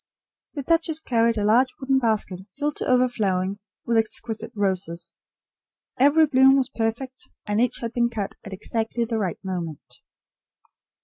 The duchess carried a large wooden basket filled to overflowing with exquisite roses. Every bloom was perfect, and each had been cut at exactly the right moment.